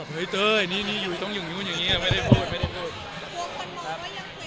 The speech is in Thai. เห้ยเต้ยต้องอยู่อยู่อย่างนี้ไม่ได้พูดไม่ได้พูด